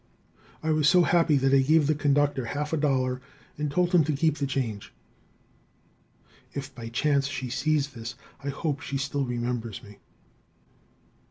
I was so happy that I gave the conductor half a dollar and told him to keep the change. If by chance she sees this, I hope she still remembers me.